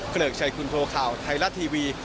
เกริกชัยคุณโทข่าวไทยรัฐทีวี